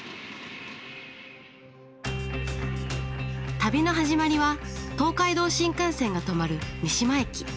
旅の始まりは東海道新幹線が止まる三島駅。